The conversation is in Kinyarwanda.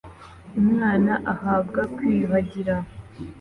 Umwana ahabwa kwiyuhagira